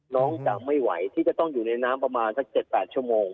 น้องจะไม่ไหวที่จะต้องอยู่ในน้ำประมาณสัก๗๘ชั่วโมง